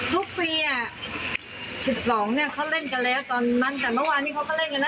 ทุกปีอ่ะ๑๒เนี่ยเขาเล่นกันแล้วตอนนั้นแต่เมื่อวานนี้เขาก็เล่นกันนะ